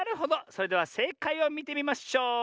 それではせいかいをみてみましょう。